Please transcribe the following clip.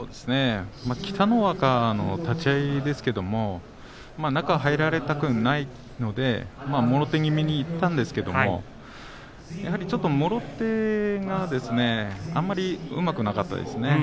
北の若の立ち合いですけれど中に入られたくないのでもろ手気味にいったんですけどちょっと、もろ手がですねあまりうまくなかったですね。